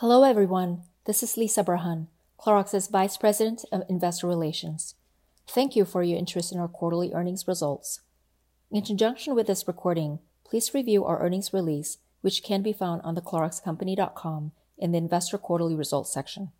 Hello everyone. This is Lisah Burhan, Clorox's Vice President of Investor Relations. Thank you for your interest in our quarterly earnings results. In conjunction with this recording, please review our earnings release, which can be found on the cloroxcompany.com in the Investor Quarterly Results section.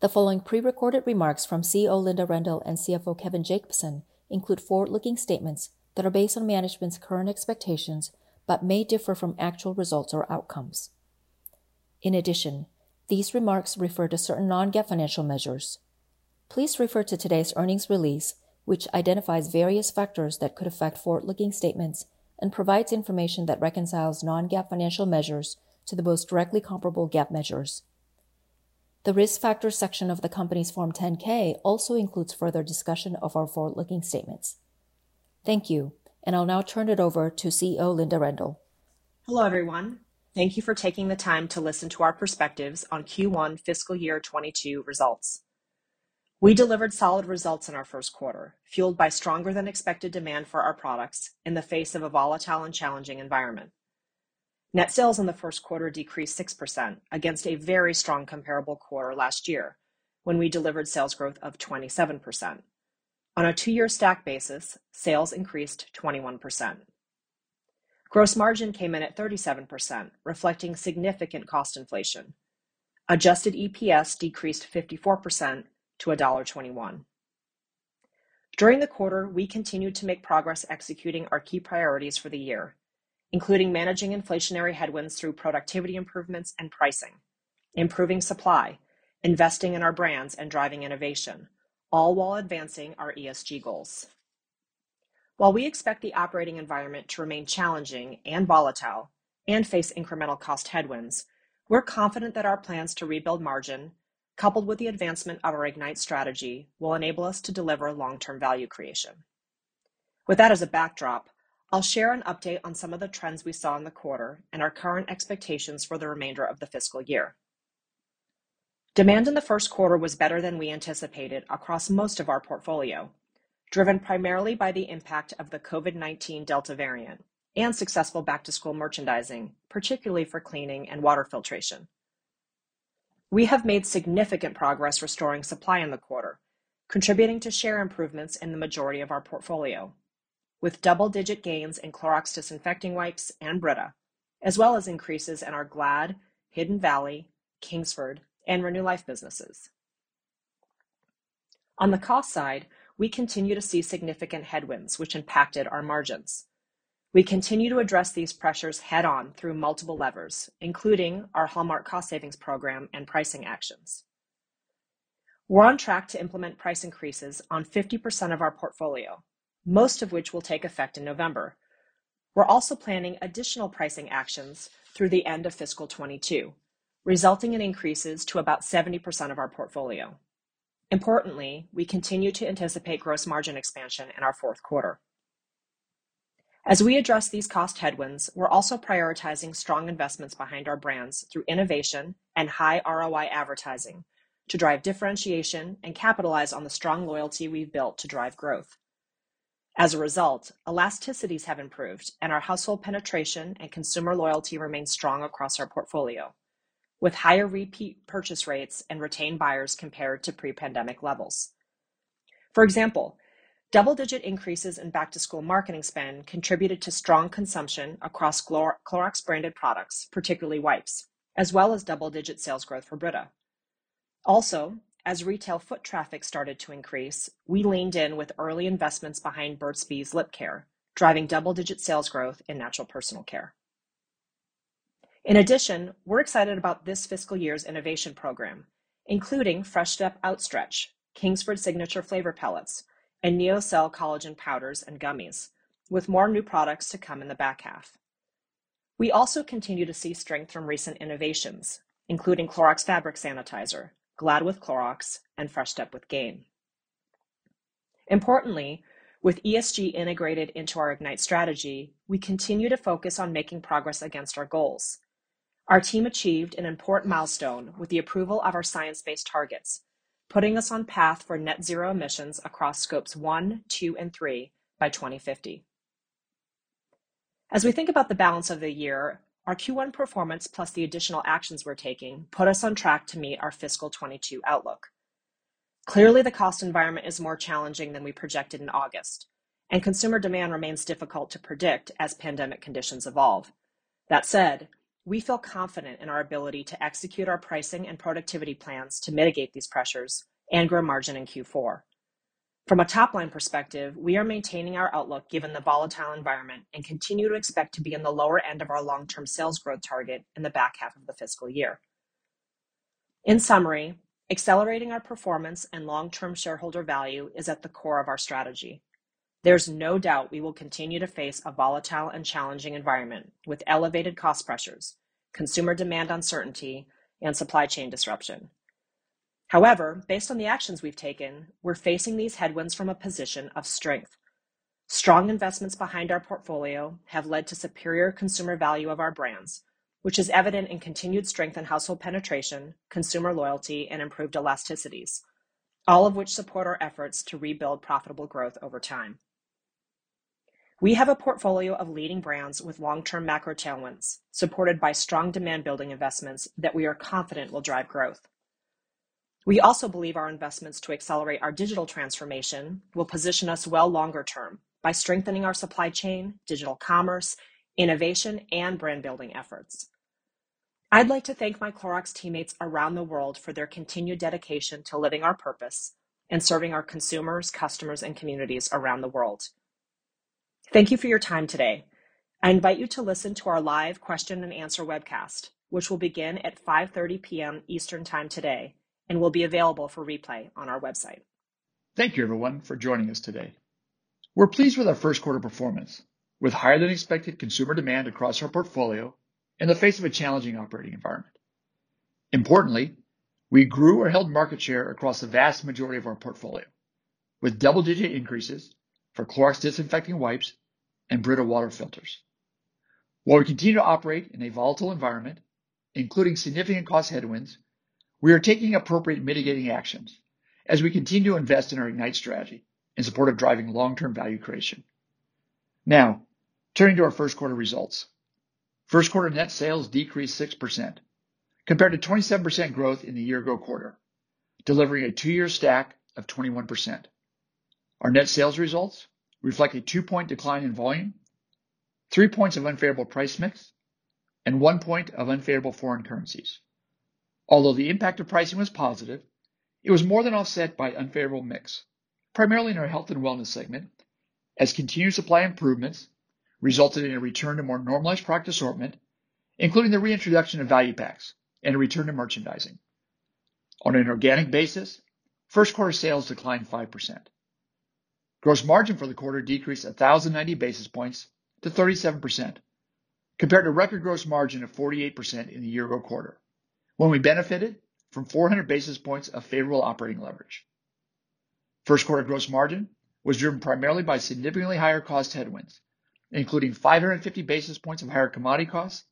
The following prerecorded remarks from CEO Linda Rendle and CFO Kevin Jacobsen include forward-looking statements that are based on management's current expectations, but may differ from actual results or outcomes. In addition, these remarks refer to certain non-GAAP financial measures. Please refer to today's earnings release, which identifies various factors that could affect forward-looking statements and provides information that reconciles non-GAAP financial measures to the most directly comparable GAAP measures. The Risk Factors section of the company's Form 10-K also includes further discussion of our forward-looking statements. Thank you, and I'll now turn it over to CEO Linda Rendle. Hello, everyone. Thank you for taking the time to listen to our perspectives on Q1 fiscal year 2022 results. We delivered solid results in our first quarter, fueled by stronger than expected demand for our products in the face of a volatile and challenging environment. Net sales in the first quarter decreased 6% against a very strong comparable quarter last year when we delivered sales growth of 27%. On a two-year stack basis, sales increased 21%. Gross margin came in at 37%, reflecting significant cost inflation. Adjusted EPS decreased 54% to $1.21. During the quarter, we continued to make progress executing our key priorities for the year, including managing inflationary headwinds through productivity improvements and pricing, improving supply, investing in our brands, and driving innovation, all while advancing our ESG goals. While we expect the operating environment to remain challenging and volatile and face incremental cost headwinds, we're confident that our plans to rebuild margin, coupled with the advancement of our IGNITE strategy, will enable us to deliver long-term value creation. With that as a backdrop, I'll share an update on some of the trends we saw in the quarter and our current expectations for the remainder of the fiscal year. Demand in the first quarter was better than we anticipated across most of our portfolio, driven primarily by the impact of the COVID-19 Delta variant and successful back-to-school merchandising, particularly for cleaning and water filtration. We have made significant progress restoring supply in the quarter, contributing to share improvements in the majority of our portfolio with double-digit gains in Clorox Disinfecting Wipes and Brita, as well as increases in our Glad, Hidden Valley, Kingsford, and RenewLife businesses. On the cost side, we continue to see significant headwinds which impacted our margins. We continue to address these pressures head on through multiple levers, including our hallmark cost savings program and pricing actions. We're on track to implement price increases on 50% of our portfolio, most of which will take effect in November. We're also planning additional pricing actions through the end of fiscal 2022, resulting in increases to about 70% of our portfolio. Importantly, we continue to anticipate gross margin expansion in our fourth quarter. As we address these cost headwinds, we're also prioritizing strong investments behind our brands through innovation and high ROI advertising to drive differentiation and capitalize on the strong loyalty we've built to drive growth. As a result, elasticities have improved and our household penetration and consumer loyalty remains strong across our portfolio with higher repeat purchase rates and retained buyers compared to pre-pandemic levels. For example, double-digit increases in back-to-school marketing spend contributed to strong consumption across Clorox branded products, particularly wipes, as well as double-digit sales growth for Brita. Also, as retail foot traffic started to increase, we leaned in with early investments behind Burt's Bees lip care, driving double-digit sales growth in natural personal care. In addition, we're excited about this fiscal year's innovation program, including Fresh Step Outstretch, Kingsford Signature Flavor Pellets, and NeoCell collagen powders and gummies with more new products to come in the back half. We also continue to see strength from recent innovations, including Clorox Fabric Sanitizer, Glad with Clorox, and Fresh Step with Gain. Importantly, with ESG integrated into our IGNITE strategy, we continue to focus on making progress against our goals. Our team achieved an important milestone with the approval of our science-based targets, putting us on path for net zero emissions across scopes 1, 2, and 3 by 2050. As we think about the balance of the year, our Q1 performance plus the additional actions we're taking put us on track to meet our fiscal 2022 outlook. Clearly, the cost environment is more challenging than we projected in August, and consumer demand remains difficult to predict as pandemic conditions evolve. That said, we feel confident in our ability to execute our pricing and productivity plans to mitigate these pressures and grow margin in Q4. From a top-line perspective, we are maintaining our outlook given the volatile environment and continue to expect to be in the lower end of our long-term sales growth target in the back half of the fiscal year. In summary, accelerating our performance and long-term shareholder value is at the core of our strategy. There's no doubt we will continue to face a volatile and challenging environment with elevated cost pressures, consumer demand uncertainty, and supply chain disruption. However, based on the actions we've taken, we're facing these headwinds from a position of strength. Strong investments behind our portfolio have led to superior consumer value of our brands, which is evident in continued strength in household penetration, consumer loyalty, and improved elasticities, all of which support our efforts to rebuild profitable growth over time. We have a portfolio of leading brands with long-term macro tailwinds supported by strong demand building investments that we are confident will drive growth. We also believe our investments to accelerate our digital transformation will position us well longer term by strengthening our supply chain, digital commerce, innovation, and brand-building efforts. I'd like to thank my Clorox teammates around the world for their continued dedication to living our purpose and serving our consumers, customers, and communities around the world. Thank you for your time today. I invite you to listen to our live question and answer webcast, which will begin at 5:30 P.M. Eastern time today and will be available for replay on our website. Thank you, everyone, for joining us today. We're pleased with our first quarter performance, with higher-than-expected consumer demand across our portfolio in the face of a challenging operating environment. Importantly, we grew or held market share across the vast majority of our portfolio, with double-digit increases for Clorox Disinfecting Wipes and Brita water filters. While we continue to operate in a volatile environment, including significant cost headwinds, we are taking appropriate mitigating actions as we continue to invest in our IGNITE strategy in support of driving long-term value creation. Now, turning to our first quarter results. First quarter net sales decreased 6% compared to 27% growth in the year ago quarter, delivering a two-year stack of 21%. Our net sales results reflect a 2-point decline in volume, 3 points of unfavorable price mix, and 1 point of unfavorable foreign currencies. Although the impact of pricing was positive, it was more than offset by unfavorable mix, primarily in our health and wellness segment, as continued supply improvements resulted in a return to more normalized product assortment, including the reintroduction of value packs and a return to merchandising. On an organic basis, first quarter sales declined 5%. Gross margin for the quarter decreased 1,090 basis points to 37%, compared to record gross margin of 48% in the year-ago quarter when we benefited from 400 basis points of favorable operating leverage. First quarter gross margin was driven primarily by significantly higher cost headwinds, including 550 basis points of higher commodity costs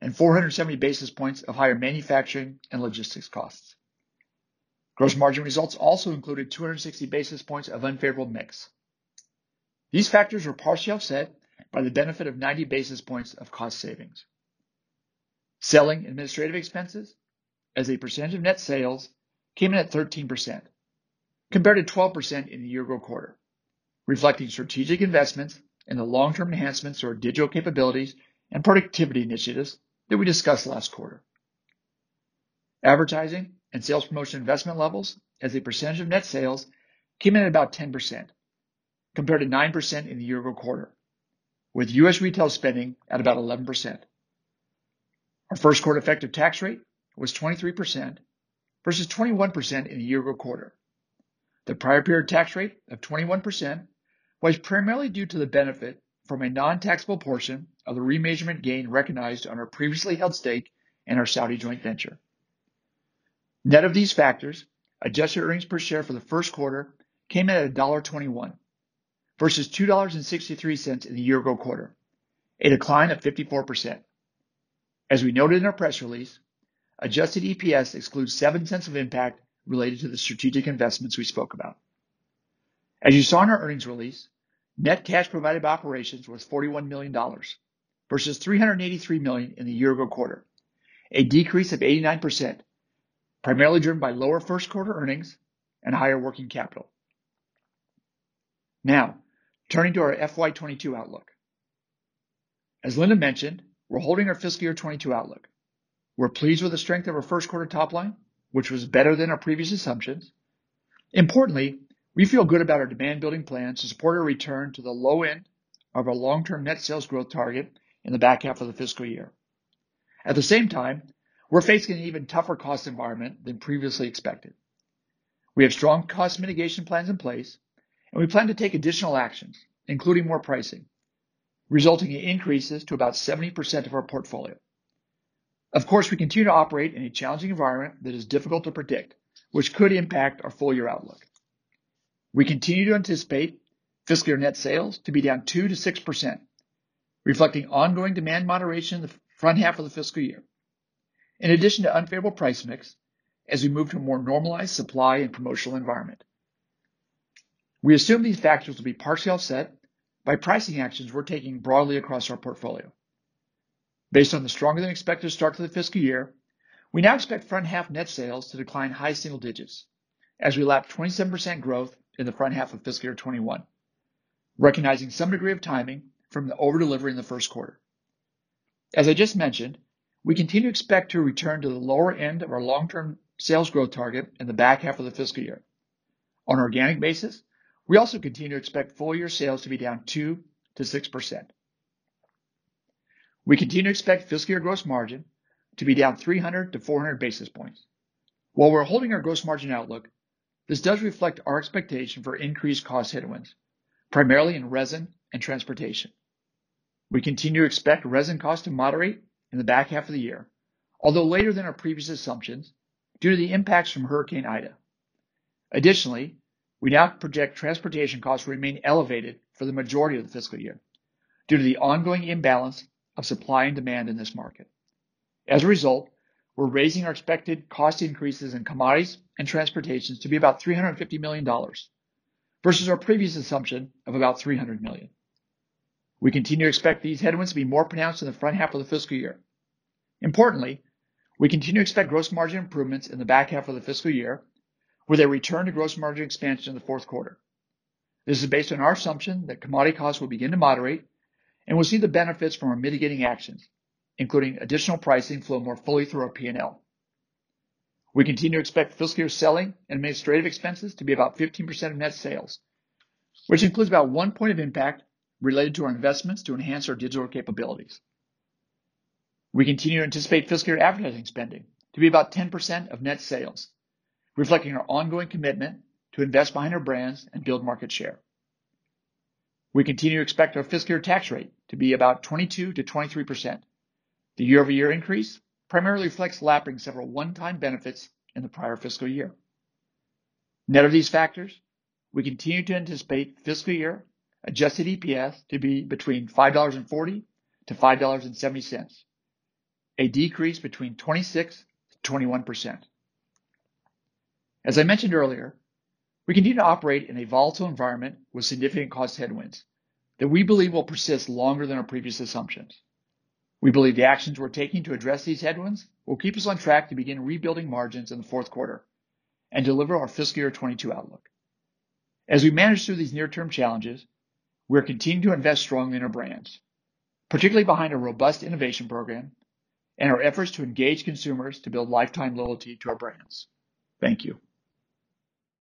and 470 basis points of higher manufacturing and logistics costs. Gross margin results also included 260 basis points of unfavorable mix. These factors were partially offset by the benefit of 90 basis points of cost savings. Selling administrative expenses as a percentage of net sales came in at 13%, compared to 12% in the year ago quarter, reflecting strategic investments in the long-term enhancements to our digital capabilities and productivity initiatives that we discussed last quarter. Advertising and sales promotion investment levels as a percentage of net sales came in at about 10%, compared to 9% in the year ago quarter, with U.S. retail spending at about 11%. Our first quarter effective tax rate was 23% versus 21% in the year ago quarter. The prior period tax rate of 21% was primarily due to the benefit from a non-taxable portion of the remeasurement gain recognized on our previously held stake in our Saudi joint venture. Net of these factors, adjusted earnings per share for the first quarter came in at $1.21 versus $2.63 in the year-ago quarter. A 54% decline. As we noted in our press release, adjusted EPS excludes $0.07 of impact related to the strategic investments we spoke about. As you saw in our earnings release, net cash provided by operations was $41 million versus $383 million in the year-ago quarter. A 89% decrease, primarily driven by lower first quarter earnings and higher working capital. Now, turning to our FY 2022 outlook. As Linda mentioned, we're holding our fiscal year 2022 outlook. We're pleased with the strength of our first quarter top line, which was better than our previous assumptions. Importantly, we feel good about our demand building plans to support our return to the low end of our long-term net sales growth target in the back half of the fiscal year. At the same time, we're facing an even tougher cost environment than previously expected. We have strong cost mitigation plans in place, and we plan to take additional actions, including more pricing, resulting in increases to about 70% of our portfolio. Of course, we continue to operate in a challenging environment that is difficult to predict, which could impact our full year outlook. We continue to anticipate fiscal year net sales to be down 2% to 6%, reflecting ongoing demand moderation in the front half of the fiscal year in addition to unfavorable price mix as we move to a more normalized supply and promotional environment. We assume these factors will be partially offset by pricing actions we're taking broadly across our portfolio. Based on the stronger than expected start to the fiscal year, we now expect front half net sales to decline high single digits as we lap 27% growth in the front half of fiscal year 2021, recognizing some degree of timing from the over-delivery in the first quarter. As I just mentioned, we continue to expect to return to the lower end of our long-term sales growth target in the back half of the fiscal year. On an organic basis, we also continue to expect full year sales to be down 2% to 6%. We continue to expect fiscal year gross margin to be down 300 to 400 basis points. While we're holding our gross margin outlook, this does reflect our expectation for increased cost headwinds, primarily in resin and transportation. We continue to expect resin cost to moderate in the back half of the year, although later than our previous assumptions due to the impacts from Hurricane Ida. Additionally, we now project transportation costs will remain elevated for the majority of the fiscal year due to the ongoing imbalance of supply and demand in this market. As a result, we're raising our expected cost increases in commodities and transportations to be about $350 million versus our previous assumption of about $300 million. We continue to expect these headwinds to be more pronounced in the front half of the fiscal year. Importantly, we continue to expect gross margin improvements in the back half of the fiscal year with a return to gross margin expansion in the fourth quarter. This is based on our assumption that commodity costs will begin to moderate, and we'll see the benefits from our mitigating actions, including additional pricing flow more fully through our P&L. We continue to expect fiscal year selling administrative expenses to be about 15% of net sales, which includes about 1% of impact related to our investments to enhance our digital capabilities. We continue to anticipate fiscal year advertising spending to be about 10% of net sales, reflecting our ongoing commitment to invest behind our brands and build market share. We continue to expect our fiscal year tax rate to be about 22% to 23%. The year-over-year increase primarily reflects lapping several one-time benefits in the prior fiscal year. Net of these factors, we continue to anticipate fiscal year adjusted EPS to be between $5.40 and $5.70, a 26%-21% decrease. As I mentioned earlier, we continue to operate in a volatile environment with significant cost headwinds that we believe will persist longer than our previous assumptions. We believe the actions we're taking to address these headwinds will keep us on track to begin rebuilding margins in the fourth quarter and deliver our fiscal year 2022 outlook. As we manage through these near-term challenges, we're continuing to invest strongly in our brands, particularly behind a robust innovation program and our efforts to engage consumers to build lifetime loyalty to our brands. Thank you.